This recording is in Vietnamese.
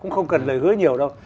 cũng không cần lời hứa nhiều đâu